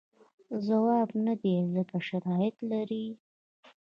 ځواب نه دی ځکه شرایط لري.